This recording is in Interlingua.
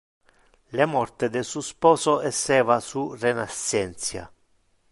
Le morte de su sposo esseva su renascentia.